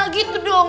nah gitu dong